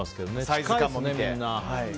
近いですね、みんな。